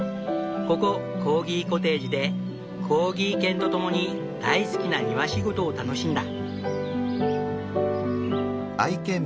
ここコーギコテージでコーギー犬と共に大好きな庭仕事を楽しんだ。